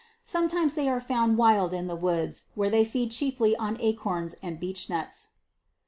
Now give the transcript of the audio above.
Sometimes they are found wild in the woods, where they feed chiefly on acorns and beech nuts.